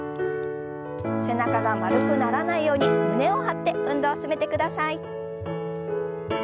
背中が丸くならないように胸を張って運動を進めてください。